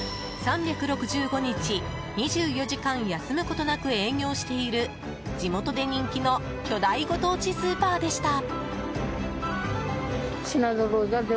３６５日２４時間休むことなく営業している地元で人気の巨大ご当地スーパーでした。